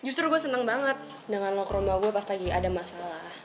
justru gue seneng banget dengan lo ke rumah gue pas lagi ada masalah